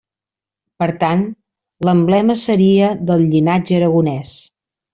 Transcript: Per tant, l'emblema seria del llinatge aragonès.